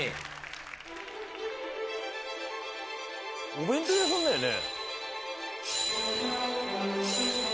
お弁当屋さんだよね？